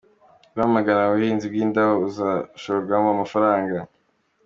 Rwamagana Ubuhinzi bw’indabo buzashorwamo amafaranga